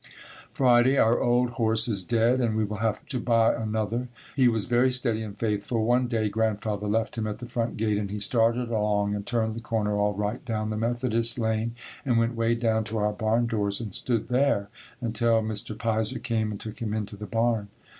Friday. Our old horse is dead and we will have to buy another. He was very steady and faithful. One day Grandfather left him at the front gate and he started along and turned the corner all right, down the Methodist lane and went way down to our barn doors and stood there until Mr. Piser came and took him into the barn.